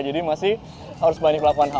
jadi masih harus banyak melakukan hal